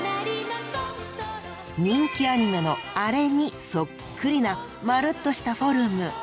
人気アニメのアレにそっくりな丸っとしたフォルム。